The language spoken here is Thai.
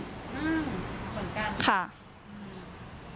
อืมเหมือนกัน